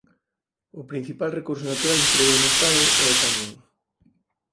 O principal recurso natural extraído no estado é o carbón.